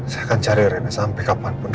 saya akan cari rene sampai kapanpun